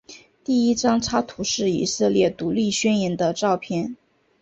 第一张插图是以色列独立宣言的照片。